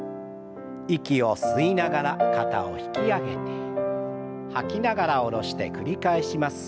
息を吸いながら肩を引き上げて吐きながら下ろして繰り返します。